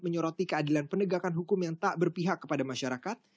menyoroti keadilan penegakan hukum yang tak berpihak kepada masyarakat